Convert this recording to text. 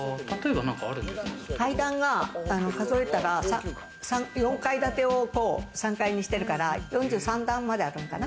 階段が数えたら４階建てを３階にしてるから４３團まであるのかな。